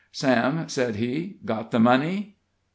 "Sam," said he, "got the money?"